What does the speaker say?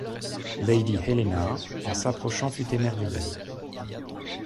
Lady Helena en s’approchant fut émerveillée.